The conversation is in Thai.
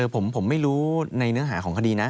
ผมไม่รู้ในเนื้อหาของคดีนะ